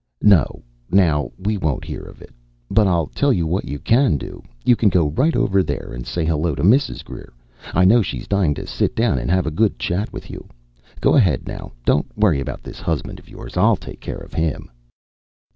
"No, now, we won't hear of it. But I'll tell you what you can do you can go right over there and say hello to Mrs. Greer. I know she's dying to sit down and have a good chat with you. Go ahead now, don't worry about this husband of yours; I'll take care of him."